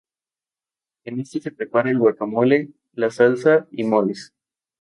En este se preparaba el guacamole, la salsa y moles.